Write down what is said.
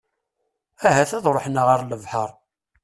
Ahat ad ruḥen ɣer lebḥer.